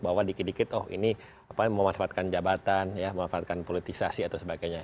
bahwa dikit dikit oh ini memanfaatkan jabatan ya memanfaatkan politisasi atau sebagainya